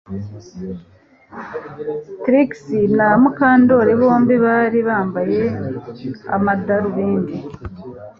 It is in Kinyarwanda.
Trix na Mukandoli bombi bari bambaye amadarubindi